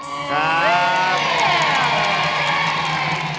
ครับ